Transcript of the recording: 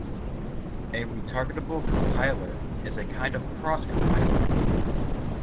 A retargetable compiler is a kind of cross compiler.